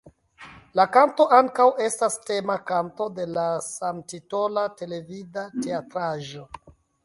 La kanto ankaŭ estas tema kanto de la samtitola televida teatraĵo.